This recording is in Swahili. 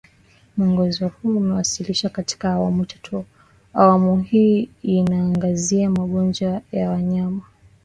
Mwongozo huu umewasilishwa katika awamu tatu Awamu hii inaangazia magonjwa ya wanyama wadogo